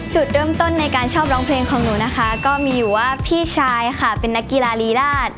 จุดเริ่มต้นในการชอบร้องเพลงของหนูนะคะก็มีอยู่ว่าพี่ชายค่ะเป็นนักกีฬารีราช